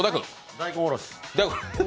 大根おろし？